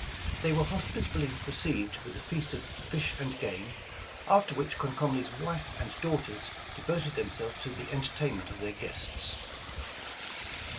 They were hospitably received with a feast of fish and game, after which Comcomly 's wife and daughters devoted themselves to the entertainment of their guests.